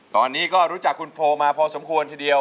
ตอนนี้ก็รู้จักคุณโฟลมาพอสมควรทีเดียว